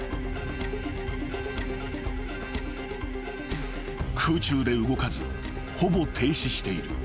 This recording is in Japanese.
［空中で動かずほぼ停止している］